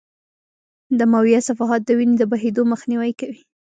دمویه صفحات د وینې د بهېدو مخنیوی کوي.